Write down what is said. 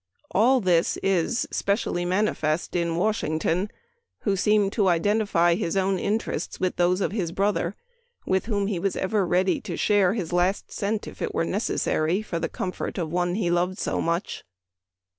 All this is, specially manifest in Washington, who seemed to identify his own interests with those of his brother, with whom he was ever ready to share his last cent if it were necessary for the comfort 252 Memoir of Washington Irving. of one he loved so much.